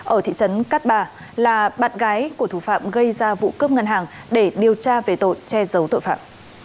ở thị trấn cát bà là bạn gái của thủ phạm gây ra vụ cướp ngân hàng để điều tra về tội che giấu tội phạm